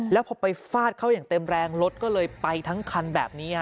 แล้วพอไปฟาดเข้าอย่างเต็มแรงรถก็เลยไปทั้งคันแบบนี้